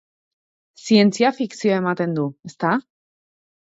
Zientzia fikzioa ematen du, ezta?